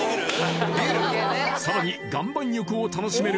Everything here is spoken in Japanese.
さらに岩盤浴を楽しめるハマムまで